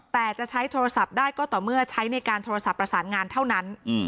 แต่จะใช้โทรศัพท์ได้ก็ต่อเมื่อใช้ในการโทรศัพท์ประสานงานเท่านั้น